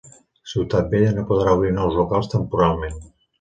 Ciutat Vella no podrà obrir nous locals temporalment